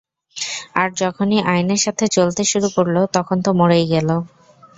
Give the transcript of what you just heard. আর যখনই আইনের সাথে চলতে শুরু করলো, তখন তো মরেই গেলো।